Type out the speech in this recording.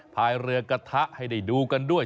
พายเรือกระทะให้ได้ดูกันด้วย